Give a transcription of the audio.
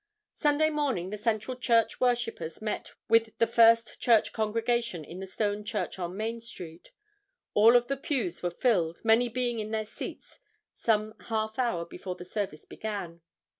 Sunday morning the Central Church worshippers met with the First Church congregation in the stone church on Main street. All of the pews were filled, many being in their seats some half hour before the service began.